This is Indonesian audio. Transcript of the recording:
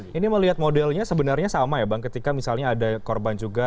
ini melihat modelnya sebenarnya sama ya bang ketika misalnya ada korban juga